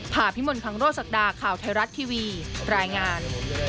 ผ่าพิมลคังโรศักดาข่าวไทยรัฐทีวีรายงาน